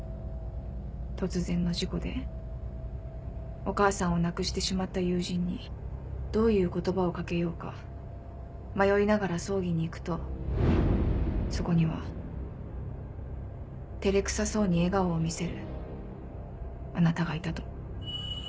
突然の事故でお母さんを亡くしてしまった友人にどういう言葉をかけようか迷いながら葬儀に行くとそこには照れくさそうに笑顔を見せるあなたがいたと。